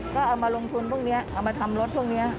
ก็เอามาลงทุนพวกนี้เอามาทำรถพวกนี้